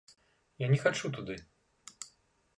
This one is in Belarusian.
Я не хачу туды.